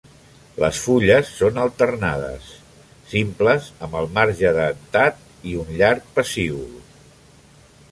Les fulles són alternades, simples amb el marge dentat i un llarg pecíol.